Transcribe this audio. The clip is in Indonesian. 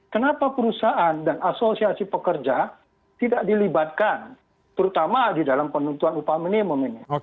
kenapa perusahaan dan asosiasi pekerja tidak dilibatkan terutama di dalam penentuan upah minimum ini